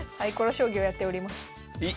将棋をやっております。